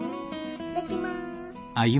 いただきます。